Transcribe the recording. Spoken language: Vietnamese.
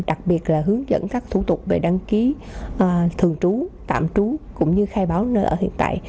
đặc biệt là hướng dẫn các thủ tục về đăng ký thường trú tạm trú cũng như khai báo nơi ở hiện tại